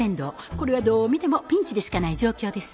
これはどう見てもピンチでしかない状況です。